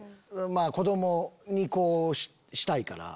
子供にこうしたいから。